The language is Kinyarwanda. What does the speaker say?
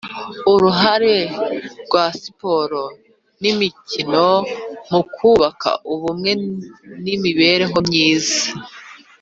Uruhare rwa siporo n imikino mu kubaka ubumwe n imibanire myiza